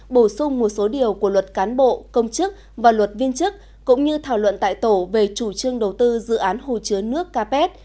bổ sung một số điều của luật cán bộ công chức và luật viên chức cũng như thảo luận tại tổ về chủ trương đầu tư dự án hồ chứa nước capet